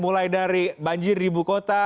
mulai dari banjir ribu kota